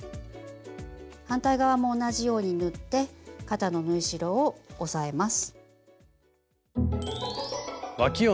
反対側も同じように縫って肩の縫い代を押さえます。